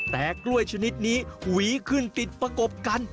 แต่กล้วยชนิดนี้หวีขึ้นติดประกบกัน